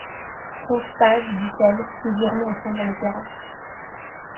Comte Paz, dit-elle, nous irons ensemble à l’Opéra.